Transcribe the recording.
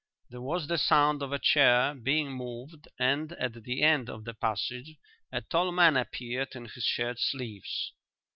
There was the sound of a chair being moved and at the end of the passage a tall man appeared in his shirt sleeves.